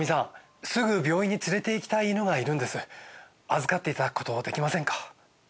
預かっていただくことできませんか？